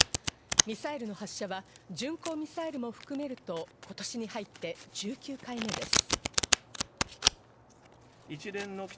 ミサイルの発射は巡航ミサイルも含めると今年に入って１９回目です。